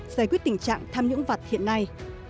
giải quyết tình trạng tham nhũng vật hiện nay